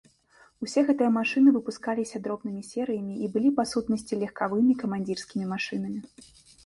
Усе гэтыя машыны выпускаліся дробнымі серыямі і былі, па сутнасці, легкавымі камандзірскімі машынамі.